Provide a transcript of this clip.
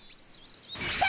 来た！